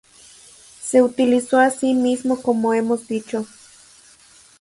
Se utilizó a sí mismo como hemos dicho.